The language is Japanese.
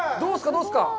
どうですか？